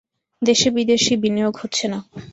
দেশি বিদেশি বিনিয়োগ হচ্ছে না।